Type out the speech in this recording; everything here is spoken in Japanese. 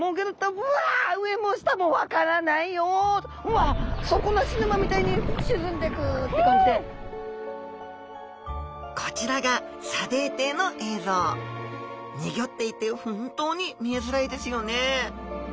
うわこちらが砂泥底の映像。にギョっていて本当に見えづらいですよね。